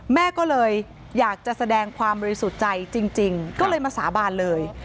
แม่ก็เลยอยากจะแสดงความบริสุทธิ์ใจจริงก็เลยมาสาบานเลย